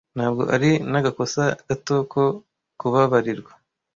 Ntabwo ari nagakosa gato ko kubabaribwa